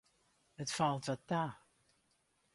It falt wat ta.